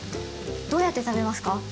どうやって食べますか？